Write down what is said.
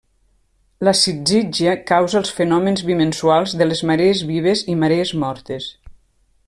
La sizígia causa els fenòmens bimensuals de les marees vives i marees mortes.